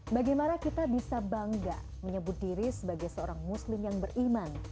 bagaimana kita bisa bangga menyebut diri sebagai seorang muslim yang beriman